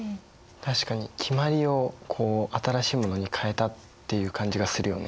確かに決まりをこう新しいものに変えたっていう感じがするよね。